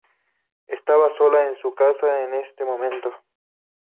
Estaba sola en su casa en ese momento.